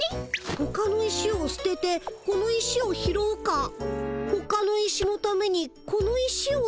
ほかの石をすててこの石を拾うかほかの石のためにこの石をすてるか。